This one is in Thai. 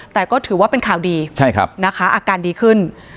แต่ก็ถือว่าเป็นข่าวดีนะคะอาการดีขึ้น